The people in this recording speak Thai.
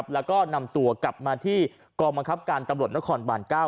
แล็วก็นำตัวกลับมาที่กรมอัคพการตำรวจนครบาลเกล้า